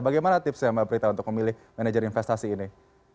bagaimana tipsnya mbak prita untuk memilih manajer investasi ini